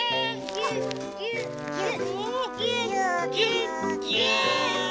ぎゅっぎゅっぎゅっ。